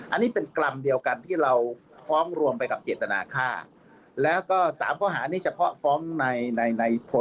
อันนี้เป็นกรรมเดียวกันที่เราฟ้องรวมไปกับเจตนาค่าแล้วก็สามข้อหานี้เฉพาะฟ้องในในพล